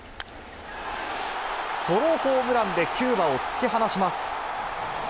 ソロホームランでキューバを突き放します。